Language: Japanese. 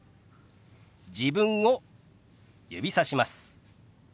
自分を指さします。